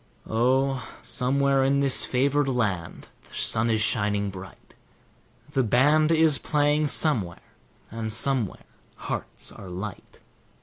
Oh! somewhere in this favored land the sun is shining bright; The band is playing somewhere, and somewhere hearts are light.